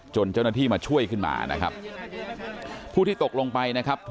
เจ้าหน้าที่มาช่วยขึ้นมานะครับผู้ที่ตกลงไปนะครับ